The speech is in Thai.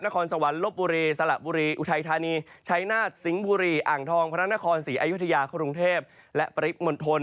คอสวรรค์ลบบุรีสละบุรีอุทัยธานีชัยนาฏสิงห์บุรีอ่างทองพระนครศรีอยุธยากรุงเทพและปริมณฑล